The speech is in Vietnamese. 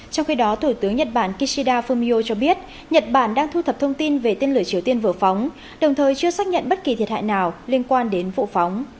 trong khi đó thủ tướng nhật bản kishida fumio cho biết nhật bản đang thu thập thông tin về tên lửa triều tiên vừa phóng đồng thời chưa xác nhận bất kỳ thiệt hại nào liên quan đến vụ phóng